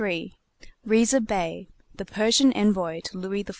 RIZA BEY, THE PERSIAN ENVOY TO LOUIS XIV.